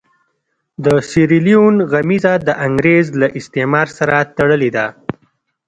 د سیریلیون غمیزه د انګرېز له استعمار سره تړلې ده.